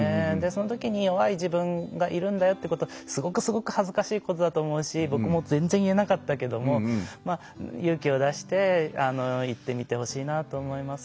そのときに弱い自分がいるんだよってことをすごくすごく恥ずかしいことだと思うし僕も全然言えなかったけども勇気を出して言ってみてほしいなと思います。